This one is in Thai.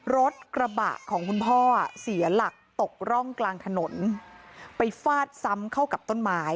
รถกระบะของคุณพ่อเสียหลักตกร่องกลางถนนไปฟาดซ้ำเข้ากับต้นไม้